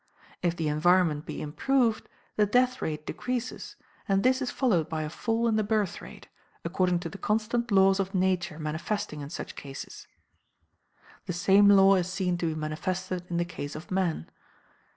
If the environment be improved, the death rate decreases, and this is followed by a fall in the birth rate, according to the constant laws of Nature manifesting in such cases. The same law is seen to be manifested in the case of Man.